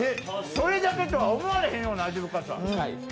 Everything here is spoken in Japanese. それだけとは思われへんくらいの味深さ。